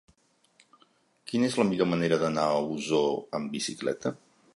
Quina és la millor manera d'anar a Osor amb bicicleta?